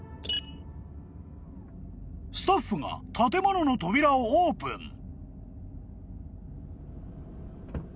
［スタッフが建物の扉をオープン］